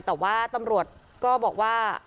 แต่ว่าตำรวจก็บอกว่า